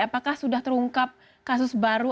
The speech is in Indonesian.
apakah sudah terungkap kasus baru